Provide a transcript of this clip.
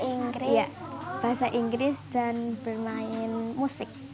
pengennya belajar bahasa inggris dan bermain musik